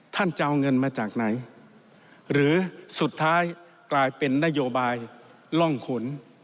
ท่านจะเอาเงินมาจากไหนหรือสุดท้ายกลายเป็นนโยบายร่องขุน